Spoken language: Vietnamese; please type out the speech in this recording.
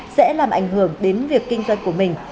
sẽ làm ảnh hưởng đến việc kinh doanh của mình